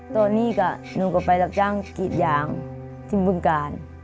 ตอนนี้หนูก็ไปรับจ้างกรีดยางที่บึงกาล